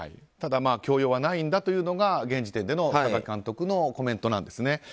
ただ、強要はないんだというのが現時点での榊監督のコメントなんですね。